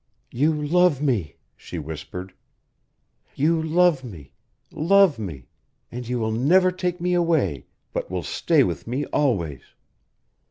"You love me," she whispered. "You love me love me and you will never take me away, but will stay with me always.